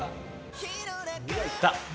いった！